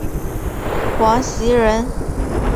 王袭人。